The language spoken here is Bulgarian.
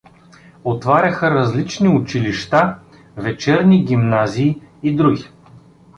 Отваряха различни училища, вечерни гимназии и др.